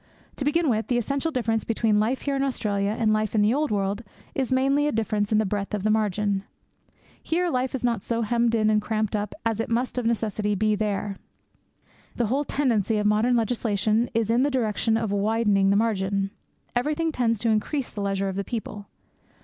To begin with, the essential difference between life here in Australia and life in the old world is mainly a difference in the breadth of the margin. Here life is not so hemmed in and cramped up as it must of necessity be there. Then, too, the whole tendency of modern legislation is in the direction of widening the margin. Everything tends to increase the leisure of the people.